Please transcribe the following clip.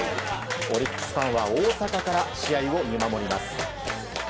オリックスファンは大阪から試合を見守ります。